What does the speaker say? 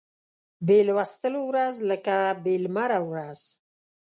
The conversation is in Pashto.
بې لوستلو ورځ لکه بې لمره ورځ